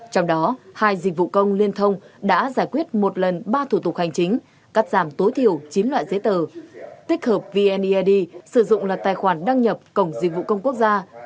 trong đó hai dịch vụ công liên thông đã giải quyết một lần ba thủ tục hành chính cắt giảm tối thiểu chín loại giấy tờ tích hợp vneid sử dụng là tài khoản đăng nhập cổng dịch vụ công quốc gia